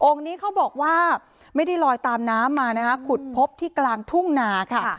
นี้เขาบอกว่าไม่ได้ลอยตามน้ำมานะคะขุดพบที่กลางทุ่งนาค่ะ